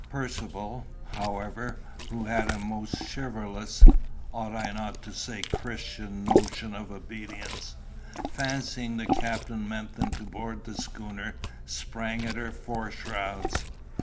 Percivale, however, who had a most chivalrous (ought I not to say Christian?) notion of obedience, fancying the captain meant them to board the schooner, sprang at her fore shrouds.